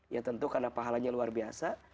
ya tentu karena pahalanya luar biasa